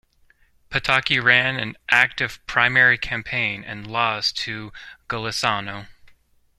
Pataki ran an active primary campaign and lost to Golisano.